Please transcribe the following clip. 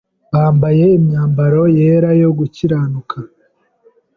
bambaye imyambaro yera yo gukiranuka.